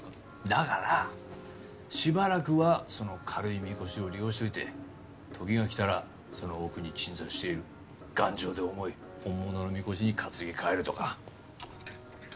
だからしばらくはその軽いみこしを利用しといて時が来たらその奥に鎮座している頑丈で重い本物のみこしに担ぎ替えるとか。